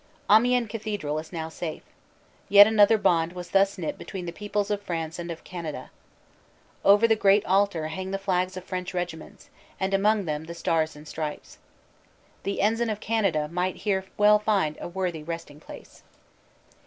Amiens cathedral is now safe. Yet another bond was thus knit between the peoples of France and of Canada. Over the great altar hang the flags of French regiments, and among them the Stars and Stripes. The ensign of Canada might here well find a worthy resting place.